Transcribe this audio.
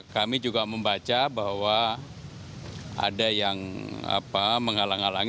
kami juga membaca bahwa ada yang menghalang halangi